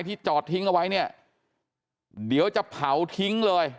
จอดทิ้งเอาไว้เนี่ยเดี๋ยวจะเผาทิ้งเลย